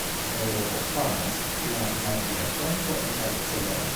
En Eŭropo famas la Magia Fonto en Barcelono.